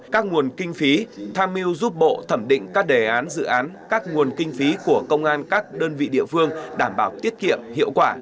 các nguồn kinh phí tham mưu giúp bộ thẩm định các đề án dự án các nguồn kinh phí của công an các đơn vị địa phương đảm bảo tiết kiệm hiệu quả